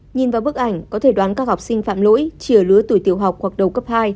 nhìn vào bức ảnh có thể đoán các học sinh phạm lỗi chỉ ở lứa tuổi tiểu học hoặc đầu cấp hai